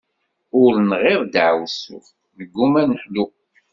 Ur nɣiḍ deɛwessu, negumma ad neḥlu.